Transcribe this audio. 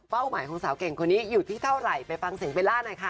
หมายของสาวเก่งคนนี้อยู่ที่เท่าไหร่ไปฟังเสียงเบลล่าหน่อยค่ะ